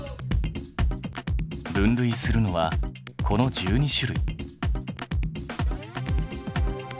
分類するのはこの１２種類。